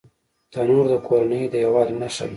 تنور د کورنۍ د یووالي نښه ده